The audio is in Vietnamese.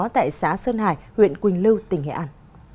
tại xã sơn hải huyện quỳnh lưu tỉnh nghệ an